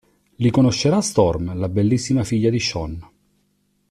Lì conoscerà Storm, la bellissima figlia di Sean.